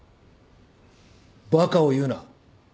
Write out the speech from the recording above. バカを言うな。